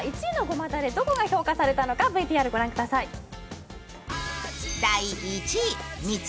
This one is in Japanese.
１位のごまだれ、どこが評価されたのかＶＴＲを御覧ください。